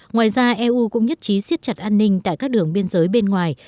ngoài ra eu cũng nhất trí siết chặt an ninh tại các đường biên giới bên ngoài